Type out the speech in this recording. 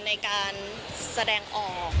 ในการแสดงออก